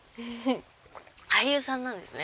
俳優さんなんですね。